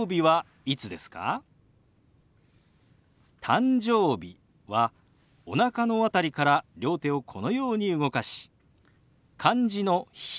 「誕生日」はおなかのあたりから両手をこのように動かし漢字の「日」。